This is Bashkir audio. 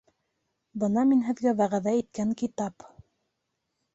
Бына мин һеҙгә вәғәҙә иткән китап